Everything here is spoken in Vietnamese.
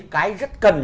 cái rất cần